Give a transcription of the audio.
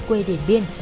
quê điển biên